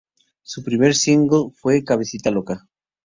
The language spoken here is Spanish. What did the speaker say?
Su primer single fue "Cabecita loca".